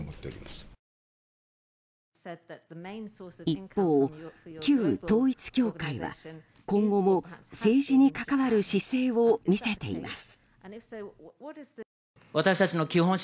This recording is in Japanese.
一方、旧統一教会は今後も政治に関わる姿勢を見せています。